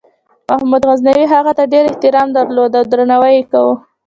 محمود غزنوي هغه ته ډېر احترام درلود او درناوی یې کاوه.